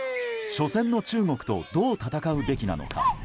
初戦の中国とどう戦うべきなのか。